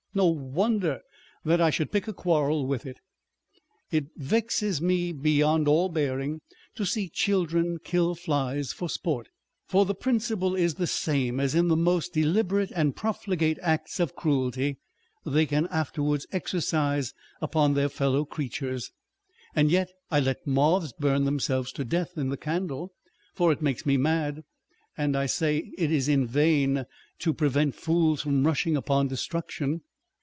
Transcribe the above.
No wonder that I should pick a quarrel with it ! It vexes me beyond all bearing to see children kill flies for sport ; for the principle is the same as in the most deliberate and pro fligate acts of cruelty they can afterwards exercise upon their fellow creatures. And yet I let moths burn them selves to death in the candle, for it makes me mad ; and I say it is in vain to prevent fools from rushing upon destruction.